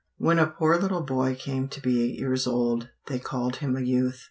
When a poor little boy came to be eight years old they called him a youth.